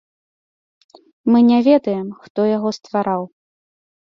Мы не ведаем, хто яго ствараў.